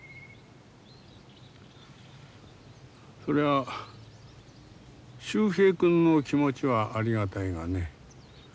そりゃ秀平君の気持ちはありがたいがね